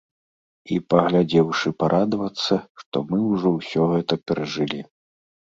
І, паглядзеўшы, парадавацца, што мы ўжо ўсё гэта перажылі.